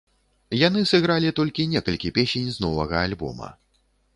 Яны сыгралі толькі некалькі песень з новага альбома.